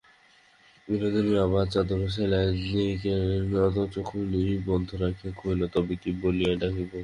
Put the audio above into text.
বিনোদিনী আবার চাদর সেলাইয়ের দিকে নতচক্ষু নিবদ্ধ রাখিয়া কহিল, তবে কী বলিয়া ডাকিব।